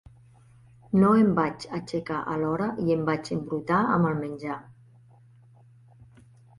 No em vaig aixecar a hora i em vaig embrutar amb el menjar.